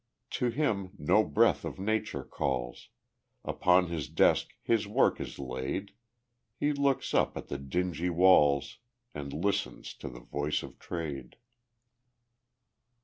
To him no breath of nature calls; Upon his desk his work is laid; He looks up at the dingy walls, And listens to the voice of Trade.